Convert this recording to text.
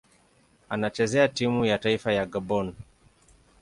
Anachezea timu ya taifa ya Gabon.